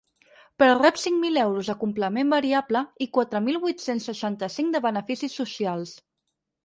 Però rep cinc mil euros de complement variable i quatre mil vuit-cents seixanta-cinc de beneficis socials.